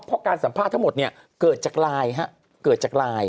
เพราะการสัมภาษณ์ทั้งหมดเนี่ยเกิดจากไลน์เกิดจากไลน์